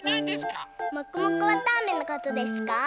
もくもくわたあめのことですか？